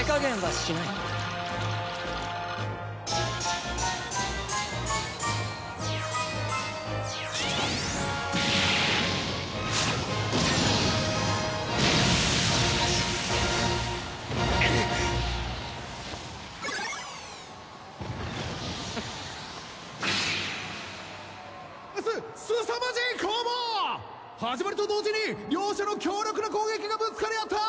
始まりと同時に両者の強力な攻撃がぶつかり合った！